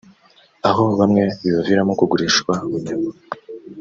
aho bamwe bibaviramo kugurishwa bunyago